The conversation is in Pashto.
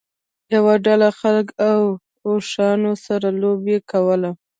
یوه ډله خلکو له اوښانو سره لوبه کوله.